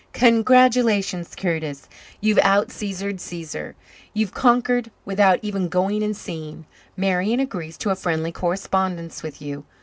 "Congratulations, Curtis. You've out Caesared Caesar. You've conquered without even going and seeing. Marian agrees to a friendly correspondence with you.